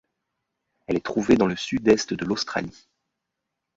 Elle est trouvée dans le Sud-Est de l'Australie.